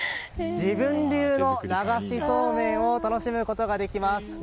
自分流の流しそうめんを楽しむことができます。